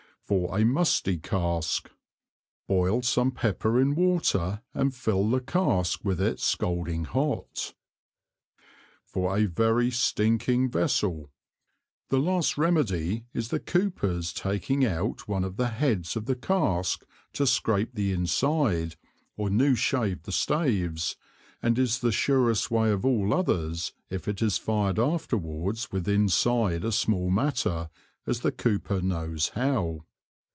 For a Musty Cask. Boil some Pepper in water and fill the Cask with it scalding hot. For a very stinking Vessel. The last Remedy is the Coopers taking out one of the Heads of the Cask to scrape the inside, or new shave the Staves, and is the surest way of all others, if it is fired afterwards within side a small matter, as the Cooper knows how.